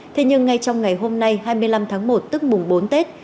thế nhưng ngay trong ngày hôm nay hai mươi năm tháng một tức mùng bốn tết